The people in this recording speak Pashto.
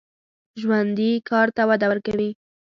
ژوندي کار ته وده ورکوي